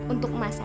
untuk emak saja